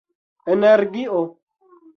energio